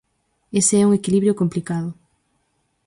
Ese é un equilibrio complicado.